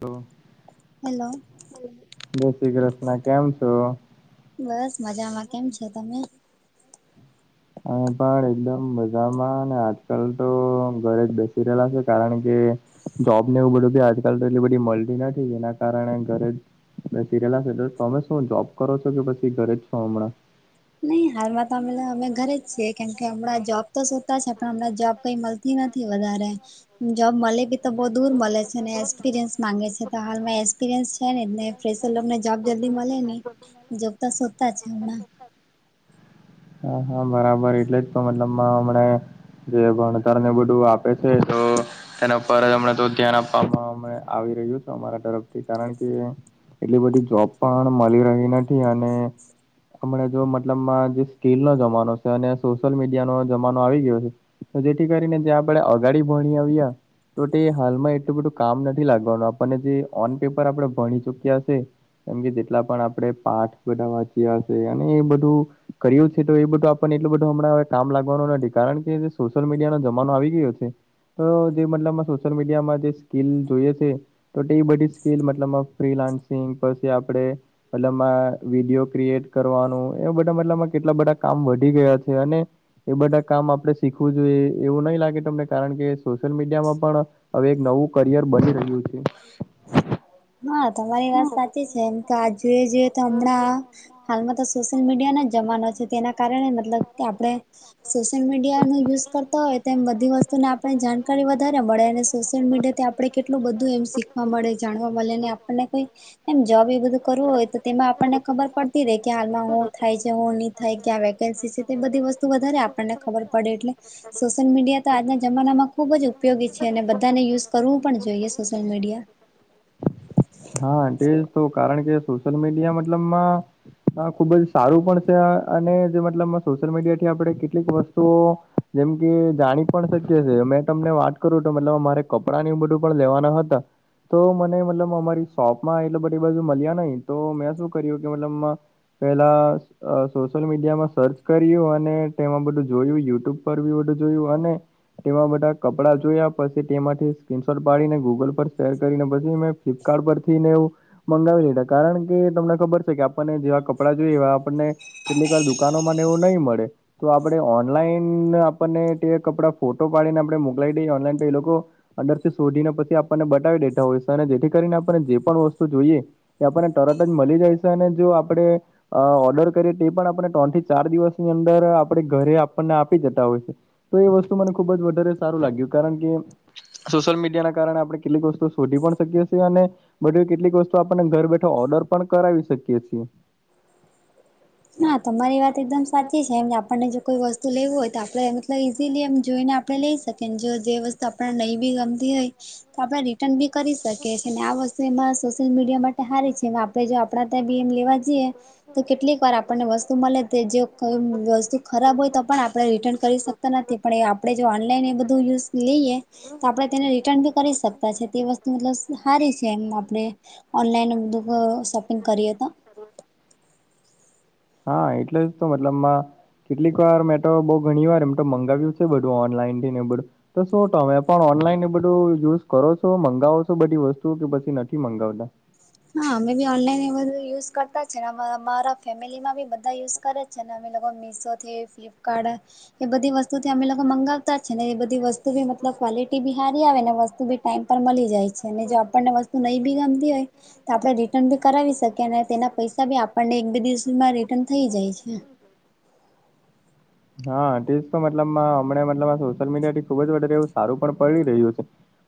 તો. હલો. જય શ્રી કૃષ્ણ કેમ છો? બસ મજામાં કેમ છો તમે? હું પણ એકદમ મજામાં અને આજકાલ તો ઘરે જ બેસી રહેલા છે કારણ કે જોબ ને એવું બધુ બી આજકાલ તો એટલી બધી મળતી નથી એના કારણે ઘરે જ બેસી રેલા છે તો તમે શું જોબ કરો છો કે પછી ઘરે જ છો હમણાં. નહી હાલમાં તો અમે અમે ઘરે જ છીએ કેમ કે હમણાં જોબ તો સોધતા છે પણ હમણાં જોબ કઈ મળતી નથી વધારે. જોબ મળે બી તો બો દૂર મળે છે ને એક્સપિરિયન્સ માંગે છે પણ હાલમાં એક્સપિરિયન્સ છે જ ને ફેશર લોક ને જોબ જલ્દી મળે ની જોબ તો શોધતા છે હમણાં. હા હા બરાબર એટલે જ પણ મતલબમાં હમણા જે ભણતર ને બધું આપે છે તો તેના પર અમના તો ધ્યાન આપવામાં અમે આવી રહ્યું છે અમારા તરફથી કારણ કે. એટલી બધી જોબ પણ મળી રહી નથી અને હમણા જો મતલબ માં જે સ્કીલ નો જમાનો છે અને સોશિયલ મીડિયાનો જમાનો આવી ગયો છે. તો જેથી કરીને જો આપણે અગાડી ભણી આવ્યે તો તે હાલમાં એટલું બધું કામ નથી લાગવાનું આપણને જે ઓન પેપર આપણે ભણી ચુક્યા છે કેમ કે જેટલા પણ આપણે પાઠ બધા વાંચ્યા છે અને એ બધું કર્યું છે તો એ બધું તો આપણ ને એટલું બધું હમણાં કામ લાગવાનું નથી કારણ કે સોશિયલ મીડિયાનો જમાનો આવી ગયો છે. કે જે મતલબમાં સોશિયલ મીડિયામાં જે સ્કીલ જોઈ છે. એ બધી સ્કીલ મતલબ ફ્રીલાન્સિંગ પછી આપણે મતલબમાં વિડીયો ક્રિએટ કરવાનું એ બધા મતલબમાં કેટલા બધા કામ વધી ગયા છે અને એ બધા કામ આપણે શીખવું જોઈએ એવું નહીં લાગે તમને કારણ કે સોશિયલ મીડિયામાં પણ હવે એક નવું કરિયર બની રહ્યું છે. હા તમારી વાત સાચી છે એમ કે આ જોઈએ જોઈએ તો હમણાં હાલમાં તો સોશિયલ મીડિયા નો જ જમાનો છે. કે તેના કારણે મતલબ કે આપણે સોશિયલ મીડિયાનો યુઝ કરતા હોય તો એમ બધી વસ્તુનો આપ જાણકારી વધારે મળે અને સોશિયલ મીડિયા થી આપણે કેટલું બધું એમ શીખવા મળે જાણવા. મળે ને આપને કોઈ એમ જોબ એ બધું કરવું હોય તો તેમાં આપણને ખબર પડતી રહે કે હાલમાં હું થાય છે ની થાય ક્યા વેકેન્સી છે તે બધી વસ્તુ વધારે આપણને ખબર પડે એટલે સોશિયલ મીડિયા તો આજના જમાનામાં ખુબ જ ઉપયોગી છે અને બધાને યુઝ કરવું પણ જોઈએ સોશિયલ મીડિયા. હા તેજ તો કારણ કે સોશિયલ મીડિયા મતલબમાં હા ખુબ જ સારું પણ છે અને જે મતલબ સોશિયલ મીડિયા થી આપણે કેટલીક વસ્તુઓ જેમ કે જાણી પણ શક્ય છે મેં તમને વાત કરું તો મતલબ મારે કપડાં ને એવું બધું પણ લેવાના હતા. તો મને મતલબ અમારી શોપમાં એટલે બધી બાજુ મળ્યા નય તો મેં શું કર્યું કે મતલબ પેહલા સોશિયલ મીડિયામાં સર્ચ કર્યું અને તેમાં બધું જોયું યુટ્યુબ પર વીયુ વ જોયું અને તેમાં બધા કપડાં જોયા પછી તેમાંથી સ્ક્રીનશોટ પાડીને ગૂગલ પર શેર કરીને પછી મેં ફ્લિપકાર્ટ પર, થી ને એવું મંગાવી લીધા કારણ કે તમને ખબર છે કે આપણને જેવા કપડાં જોઈએ એવા આપણને કેટલી વાર દુકાનોમાં ને એવું નહી મળે. તો આપડણે ઓનલાઈન આપણને તે કપડાં ફોટો પાડીને આપડણે મોકલાવી દઈએ ઓનલાઈન તો એ લોકો, અંદરથી શોધીને પછી આપણને બતાવી દેતા હોય છે અને જેથી કરીને આપને જે પણ વસ્તુ જોઈએ. એ આપણને તરત જ મળી જાય છે અને જો આપણેે, અ ઓર્ડર કરીએ તે પણ આપણને ત્રણ થી ચાર દિવસની અંદર આપણે ઘરે આપણને આપી જતા હોય છે. તો એ વસ્તુ મને ખુબ જ વધારે સારું લાગ્યું કારણ કે, સોશિયલ મીડિયાના કારણે આપણે કેટલીક વસ્તુ શોધી પણ શકીએ છીએ અને, બધું કેટલીક વસ્તુ આપને ઘર બેઠો ઓર્ડર પણ કરાવી શકીએ છીએ. હા તમારી વાત એકદમ સાચી છે એમ આપણને જો કોઈ વસ્તુ લેવું હોય તો આપડે મતલબ ઈઝીલી એમ જોઈને આપ લઈ શકે જો જે વસ્તુ આપણે નહીં બી ગમતી હોય, તો આપણે રિટર્ન બી કરી શકીએ છીએ ને આ વસ્તુ એમાં સોશિયલ મીડિયા માટે સારી છે. આ આપ આપડા ત્યાં બી એમ લેવા જઈએ તો કેટલીક વાર આપ આપણને વસ્તુ મળે તે જો કોઈ વસ્તુ ખરાબ હોય તો પણ આપણે રિટર્ન કરી શકતા નથી પણ આપ આપણે જો ઓનલાઈન એ બધું યુઝ લઈએ તો આપણે તેને રિટર્ન બી કરી શકતા છે તે વસ્તુ મતલબ સારી છે એમ આપણે ઓનલાઈન બધું ક શોપિંગ કરીએ તો, હા એટલે જ તો મતલબમાં, કેટલીક વાર મેં તો બઉુ ઘણી વાર એમ તો મંગાવ્યું છે બધું ઓનલાઈનથી ને બધું, તો શું તમે પણ ઓનલાઈન એ બધું યુઝ કરો છો મંગાવો છો બધી વસ્તુ કે પછી નથી મંગાવતા. હા અમે બી ઓનલાઈન એ બધૂ યુઝ કરતા છે અરા ફેમિલીમાં બી બધા યુઝ કરે છે. ને અમે બધા મીશોથી, ફ્લિપકાર્ટ, એ બધી વસ્તુથી અમે લોકો મગાવતા જ છે ને એ બધી વસ્તુ બી મતલબ ક્વલિટી બી સારી આવે ને વસ્તુ બી, ટાઈમ પર મળી જાય છે અને જો આપણને વસ્તુ નહી બી ગમતી હોય, તો આપણે રિટર્ન બી કરાવી શકીએ અને તેના પૈસા બી આપણને એક બે દિવસમાં રિટર્ન થઈ જાય છે. હમ [inaudible] હા એજ તો મતલબ હમણે મતલબ અ સોશિલ મીડિયાથી ખુબ જારે એવું સારું પણ પડી રહ્યું છે.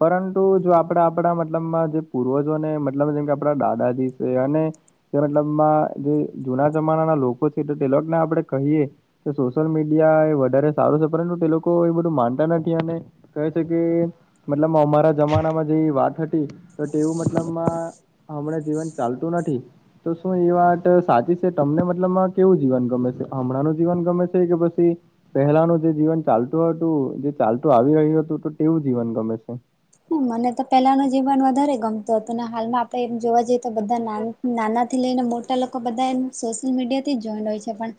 પરંતુ જો આપ આપડા આપણા મતલબમાં જે પૂર્વજોને મતલબ જેમ કે આપડા દાદાજી છે અને, કે મતલબમાં જે જૂના જમાનાના લોકો છે તો તે લોકને આપણે કહીએ, કે સોશિયલ મીડિયા એ વધારે સારું છે પરંતુ તે લોકો એ બધું માનતા નથી અને, કહે છે કે મતલબ અમારા જમાનામાં, જે વાત હતી તો તેવું મતલબમાં હમણાં જીવન ચાલતું નથી. તો શું એ વાત સાચી છે તમને મતલબમાં કેવું જીવન ગમે છે હમણાં નુ જીવન ગમે છે કે પછી, પહેલાનું જે જીવન ચાલતું હતું જે ચાલતું આવી રહ્યું હતું તો તેવું જીવન ગમે છે. મને તો પહેલાંનું જીવન વધારે ગમતું હતું ને હાલમાં આપણે એમ જોવા જઈ જઈએ તો બધા ના નાનાથી લઈને મોટા લોકો બધા એ સોશિયલ મીડિયાથી જ જોઈન હોય છે પણ,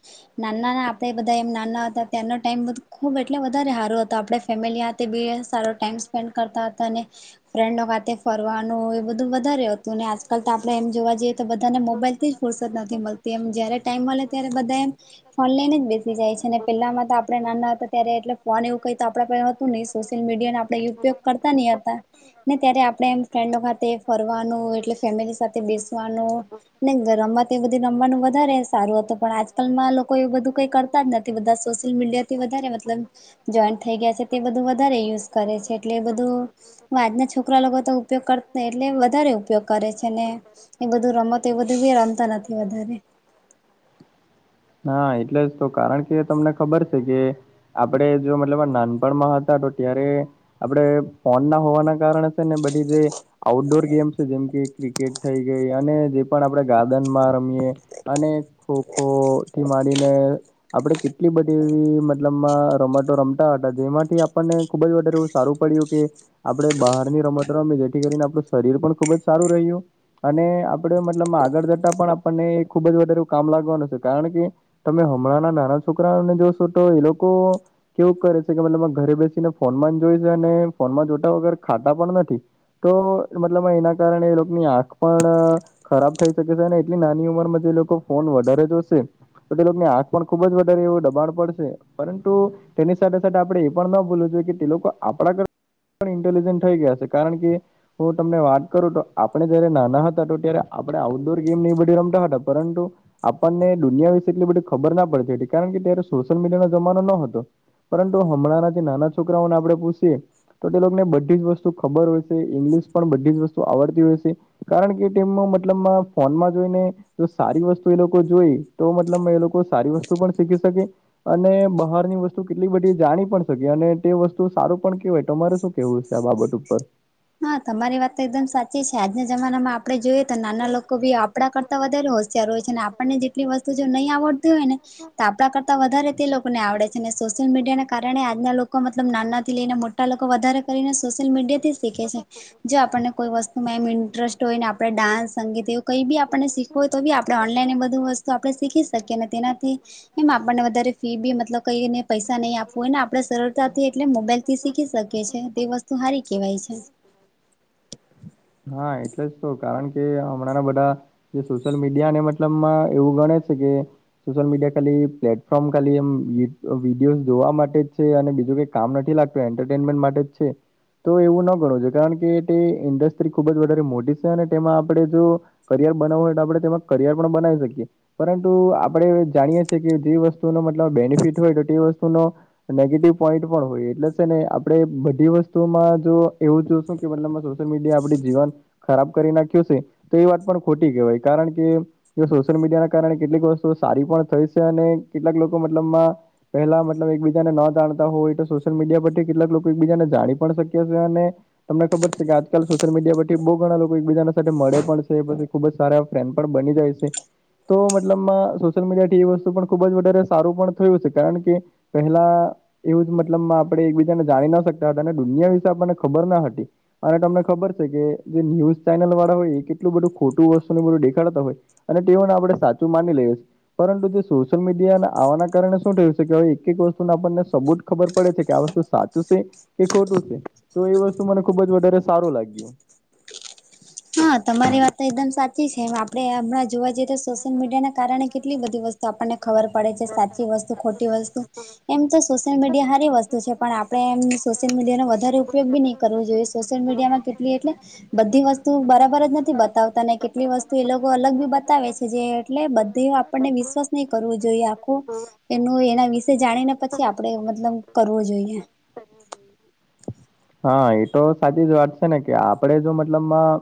નાનાના આપ બધા એમ નાના હતા તનો ટાઈમ બધ ખુબ એટલે વધારે સારો હતો, તો આપણે ફેમિલી સાથેથ બી સારો ટાઈમ સ્પેન્ડ કરતા હતા અને, ફ્રેન્ડો હાતે ફરવાનું એ બધું વધારે હતું આજકાલ તો આપડે એમ જોવા જઈએ તો બધાને મોબાઈલથી જ ફુરસત નથી મળતી એમ જ્યારે ટાઈમ મળે ત્યારે બધા એમ, ફોન લઈને જ બેસી જાય છે અનેને પહેલા તો આપણે નાના હતા ત્યારે એટલે ફોન એવું કઈ તો આપ નહી સોશિયલ મીડિયાને આપણે ઉપયોગ કરતા નહી હતા. ને ત્યારે આપણે એમ ફ્રેન્ડો ખાતે ફરવાનું એટલે ફેમિલી સાથે બેસવાનું. ને ગરમવા તે બધું રમવાનું વધારે સારું હતું પણ આજકાલમાં લોકો એવું બધું કઈ કરતા બધા સોશિયલ મીડિયાથી વધ મતલબ, જોઈન્ટ થઈ ગયા છે. તે બધું વધારે યુઝ કરે છે એટલે બધું આજના છોકરા લોકો તો ઉપયોગ કરતા એટલે વધારે ઉપયોગ કરે છે ને. એ બધું રમત એ બધું બી રમતા નથી વધારે. હા એટલે જ તો કારણ કે તમને ખબર છે કે આપડે જો મતલબ નાનપણમાં હતા તો ત્યારે આપણેે ફોન ના હોવાના કારણે છે ને બ ધી જે આઉટડોર ગેમ્સ છે જેમ કે ક્રિકેટ થઈ ગઈ અને જે પણ આપણેે ગાર્ડનમાં રમીએ. અને ખો ખો થી મારીને. આપડણે કેટલી બધી એવી મતલબમાં રમાટો રમતા હતા જેમાંથી આપણને ખુબ જ વારે સારું પડ્યું કે, આપડણે બહાર ની રમત રમી જેથી કરીને આપણું શરીર પણ ખુબ જ સારું રહ્યું. અને આપડણે મતલબ આગળ જતા પણ આપણને ખુબ જ વધારે કામ લાગવાનું છે કારણ કે તમે હમણાં ના નાના છોકરાઓને જોશો તો એ લોકો કેવું કરે છે કે મત ઘરે બેસીને ફોન માં જોઈ છે અને ફોનમાં જોતા વગર ખાતા પણ નથી. તો મતલબ એના કારણે એ લોકોની આંખ પણ ખરાબ થઈ શકે છે એટલી નાની ઉંમરમાં જે લોકો ફોન વધારે જોશે. તો તે લોકોની આંખ પણ ખુબ જ વધારે એવું દબાણ પડશે પરંતુ તેની સાથે સાથે આપડે એ પણ ના ભૂલવું જોઈએ કે તે લોકો આપણા ઘર પણ ઇન્ટેલિજન્ટ થઈ ગયા છે કારણ કે હું તમને વાત કરું તો આપણે જયારે નાના હતા તો ત્યારે આપણે આઉટડોર ગેમ નહી બ રમતા હતા પરંતુ આપણને દુનિયા વિશે એટલી બધી ખબર ના પડતી એ કારણ કે ત્યારે સોશિયલ મીડિયાનો જમાનો ન હતો. પરંતુ હમણાંં જે નાના છોકરાઓને આપણે પૂછીએ. તો તે લોકો ને બધી જ વસ્તુ ખબર હોય છે ઇંગ્લિશ પણ બધી જ વસ્તુ આવડતી હોય છે. કારણ કે તેમનો મતલબમાં ફોનમાં જોઈને, જો સારી વસ્તુ એ લોકો જોઈ. તો મતલબ મે એ લોકો સારી વસ્તુ પણ શીખી શકે. અને બહાર ની વસ્તુ કેટલી બધી જાણી પણ શકી અને તે વસ્તુ સારું પણ કેવાય તમારે શું કેવું છે આ બાબત ઉપર. હા તમારી વાત તો એકદમ સાચી છે આજના જમાનામાં આપડે જોઈએ તો નાના લોકો ભી આપણા કરતા વધ હોશિયારો હોય છે અને આપણને જેટલી વસ્તુ જો નહીં આવડતી હોય ને, તો આપણા કરતા વધારે. તે લોકોને આવડે છે અનેને સોશિયલ મીડિયાના કારણે આજના લોકો મતલબ નાનાથી લઈને મોટા લોકો વધારે કરીને સોશિયલ મીડિયાથી શીખે છે. જો આપણને કોઈ વસ્તુમાં એમ ઇન્ટરેસ્ટ હોય ને આપણે ડાન્સ સંગીત એવું કઈ બી આપણને શીખ હોય તો બી આપણે ઓનલાઈન એ બધું વસ્તુ આપણે શીખી શકીએ અને તેનાથી એમ આપણને વધારે ફી બી મતલબ કઈને પૈસા નહી આપવું હોય ને આપડે સરળતાથી એટલે મોબાઈલ થી શીખી શકે છે તે વસ્તુ સારી કેહેવાય છે. હા એટલે જ તો કારણ કે હમણાં બધા જે સોશિયલ મીડિયાને મતલબમાં એવું ગણે છે કે સોશિયલ મીડિયા ખાલી પ્લેટ ફ્રોમ ખાલી એમ વિડીયોસ જોવા માટે જ છે અને બીજું કઈ કામ નથી લાગતું એન્ટરટેનમેન્ટ માટે જ છે. તો એવું ન ગણવું જો કારણ કે તે ઇન્ડસ્ટ્રી ખૂબ જ વધારે મોટી છે અને તેમાં આપણે જો કરિયર બનાવવું હોય તો આપણે તેમાં કરિયર પણ બનાવી શકીએ, પરંતુ આપણે જાણીએ છીએ કે જે વસ્તુ મતબ બેનિફિટ હોય તો એ વસ્તુનો નેગેટિવ પોઈન્ટ પણ હોય એટલે છે ને આપડે બધી વસ્તુમાં જો એવું જોશું. બલ સોશિયલ મીડિયા આપડી જીવન ખરાબ કરી નાખ્યું છે તો એ વાત પણ ખોટી કહેવાય, કારણ કે સોશિયલ મીડિયા ના કારણે કેટલીક વસ્તુ સારી પણ થઈ છે અને કેટલાક લોકો મતલબમાં પેલા મતલબ એકબીજાને ન જાણતા હોય એ તો સોશિયલ મીડિયા પરથી કેટલાક લોકો એકબીજાને જાણી પણ શકે છે અને તમને ખબર છે કે આજકાલ સોશિયલ મીડિયા પરથી બહુ ઘણા લોકો એકબીજાના સાથે મળે પણ છે ખુબ જ સારા ફ્રેન્ડ પણ બની જાય છે તો મતલબમાં સોશિયલ મીડિયા થી એ વસ્તુ પણ ખુબ જ વધારે સારું પણ થયું છે કારણ કે પહેલા એવું જ મતલબમાં આપણે એકબીજાને જાણી ના શકતા હતા અને દુનિયા વિશે આપણને ખબર ના હતી અને તમને ખબર છે કે જે ન્યૂઝ ચેનલ વાળા હોય એ કેટલું બધું ખોટું વસ્તુને બધું દેખાડતા હોય અને તેઓને આપણે સાચું માની લઈએ પરંતુ જે શ સોશિયલ મીડિયા આવાના કારણે શું થયું છે કે હવે એક એક વસ્તુને આપણને સબૂત ખબર પડે છે કે આ વસ્તુ સાચું છે. કે ખોટું છે તો એ વસ્તુ મને ખુબ જ વધારે સારું લાગ્યુ હા તમારી વાત તો એકદમ સાચી છેમ આપડે હમણાં જોવા જઈએ તો સોશિયલ મીડિયા ના કારણે કેટલી બધી વસ્તુ તો આપણને ખબર પડે છે સાચી વસ્તુ ખોટી વસ્તુ એમ તો સોશિયલ મીડિયા સારી વસ્તુ છે પણ આપણે એમ સોશિયલ મીડિયાનો વધારે ઉપયોગ બી નહી કરવો જોઈએ સોશિયલ મીડિયામાં કેટલી એટલે બધી વસ્તુ બરાબર જ નથી બતાવતા ને કેટલીક વસ્તુ એ લોકો અલગ બી બતાવે છે જે એટલે બધી આપણને વિશ્વાસ નહીં કરવું જોઈએ આખું એનું એના વિશે જાણીને પછી આપડે મતલબ કરવો જોઈએ [inaudible] હા એતો સાચી જ વાત છે ને કે આપણે જો મતલબમાં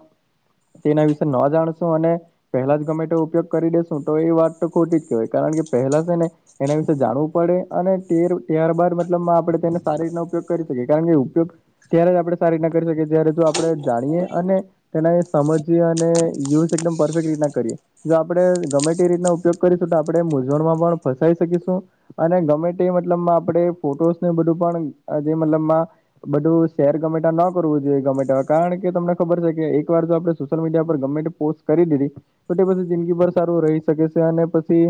તેના વિશે ન જાણશું અને પેલા જ ગમે તો ઉપયોગ કરી દેસું તો એ વાત તો ખોટી કારણ કે પહેલા છે ને એના વિશે જાણવું પડે અને તે ત્યારબાર મતલબમાં આપણે તેને સારી રીતના ઉપયોગ કરી શકીએ કારણ કે ઉપયોગ ત્યારે જ આપણે સારી રીતના કરી શકીએ જ્યારે તો આપણે જાણીએ અને તેને સમજીએ અને યુઝ એકદમ પરફેક્ટ રીતના કરીએ જો આપણેે ગમે તે રીતના ઉપયોગ કરીશું તો આપણે મૂઝવણમાં પણ ફસાઈ શકીશું અને ગમે તે મતલબમાં આપણે ફોટોસને બધું પણ જે મતલબમાં બધું શેર ગમે ત્યાં ન કરવું જોઈએ ગમે ત્યાં કારણ કે તમને ખબર છે કે એકવાર જો આપણે સોશિયલ મીડિયા પર ગમે પોસ્ટ કરી દીધી તો પછી જિંદગી ભર સારું રહી શકે છે અને પછી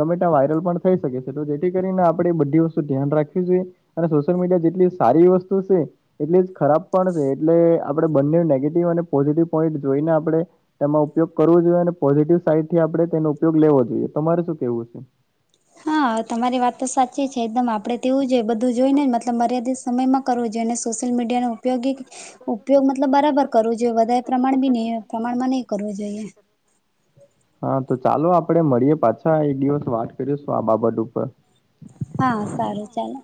ગમે ત્યાં વાયરલ પણ થઈ શકે છે તો જેથી કરીને આપણે બધી વસ્તુ ધ્યાન રાખવી જોઈ અને સોશિયલ મીડિયા જેટલી સારી વસ્તુ છે. એટલી જ ખરાબ પણ છે એટલે આપણે બંને નેગેટિવ અને પોઝિટિવ પોઈન્ટ જોઈને આપણે તેમાં ઉપયોગ કરવો જોઈએ અને પોઝિટિવ સાઈડ થી આપણે તેનો ઉપયોગ લેવો જોઈએ તમારે શું કેવું છે. હા તમારી વાત તો સાચી છે એકદમ આપણે તેવું જોઈએ બધું બધું જોઈ ને મતલબ મર્યાદિત સમયમાં કરવું જોઈએ, ને સોશિયલ મીડિયાનો ઉપયોગી ઉપયોગ મતલબ બરાબર કરવો જોઈએ વધારે પ્રમાણ બી નહીં પ્રમાણમાં નહીં કરવું જોઈએ હા તો ચાલો આપણે મળીએ પાછા એક દિવસ વાત કરીશું આ બાબત ઉપર હા સારું ચાલો